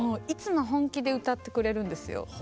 いつも本気で歌ってくれるんですよ。